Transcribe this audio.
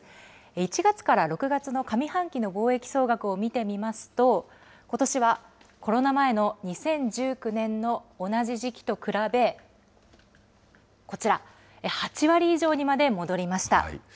１月から６月の上半期の貿易総額を見てみますと、ことしはコロナ前の２０１９年の同じ時期と比べ、こちら、８割以上にまで戻りました。